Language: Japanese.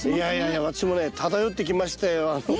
私もね漂ってきましたよ。